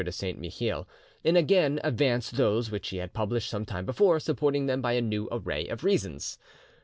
de Saint Mihiel, and again advanced those which he had published some time before, supporting them by a new array of reasons.